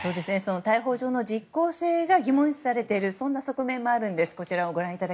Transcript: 逮捕状の実効性が疑問視されているそんな側面もあるんです。